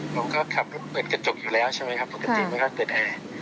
ผมก็ขับรถเปิดกระจกอยู่แล้วใช่ไหมครับปกติมันก็เกิดแอร์